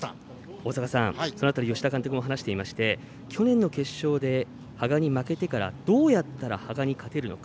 大坂さん、その辺り吉田監督も話していまして去年の決勝で羽賀に負けてからどうやったら羽賀に勝てるのか。